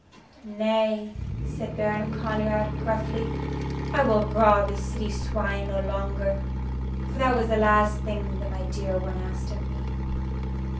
"Nay," said Baron Conrad, gruffly, "I will rob the city swine no longer, for that was the last thing that my dear one asked of me."